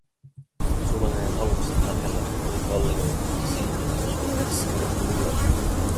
Sulaneen aluksen lähellä oli kallioita, ja silmiini osui niissä oleva luola.